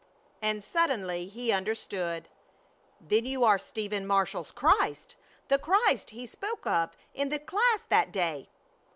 And suddenly he understood. "Then you are Stephen Marshall's Christ! The Christ he spoke of in the class that day!"